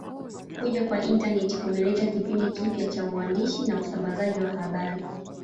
Kuja kwa intaneti kumeleta kipindi kipya cha uandishi na usambazaji wa habari